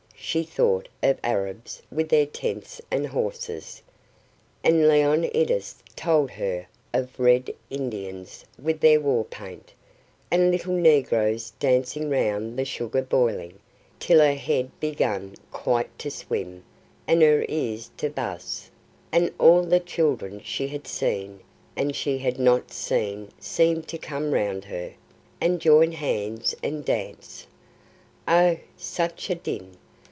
She thought of Arabs with their tents and horses, and Leonidas told her of Red Indians with their war paint, and little Negroes dancing round the sugar boiling, till her head began quite to swim and her ears to buzz; and all the children she had seen and she had not seen seemed to come round her, and join hands and dance. Oh, such a din!